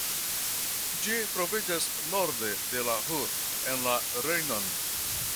Ĝi troviĝas norde de la Ruhr en la Rejnon.